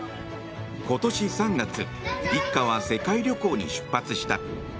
今年３月一家は世界旅行に出発した。